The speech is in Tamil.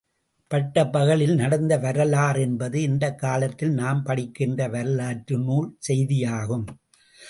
பட்டப் பகலில் நடந்த வரலாறு என்பது, இந்தக் காலத்தில் நாம் படிக்கின்ற வரலாற்று நூல் செய்தியாகும்.